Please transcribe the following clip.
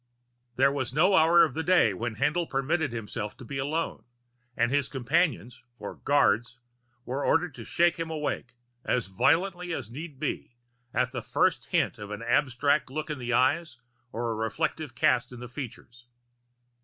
There was no hour of the day when Haendl permitted himself to be alone; and his companions, or guards, were ordered to shake him awake, as violently as need be, at the first hint of an abstracted look in the eyes or a reflective cast of the features.